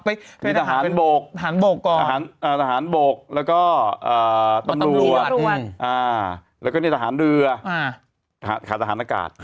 เป็นอาหารบกก่อนอาหารบกแล้วก็ตำรวจแล้วก็ในสถานเรือขาดสถานอากาศ